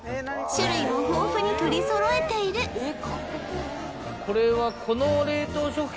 種類も豊富に取り揃えているねえよ